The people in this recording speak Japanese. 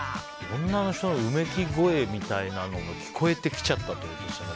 女の人のうめき声みたいなのが聞こえてきちゃったってことですよね。